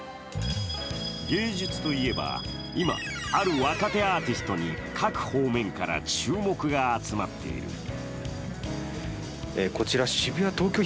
芸術といえば、今、ある若手アーティストに各方面から注目が集まっている。